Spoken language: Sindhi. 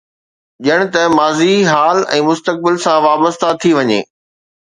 ڄڻ ته ماضي، حال ۽ مستقبل سان وابسته ٿي وڃي.